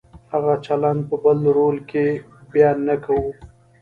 هغه چلند په بل رول کې بیا نه کوو.